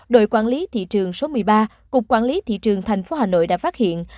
đội quản lý thị trường số một mươi ba cục quản lý thị trường thành phố hà nội đã phát hiện